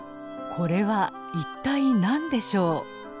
これは一体何でしょう？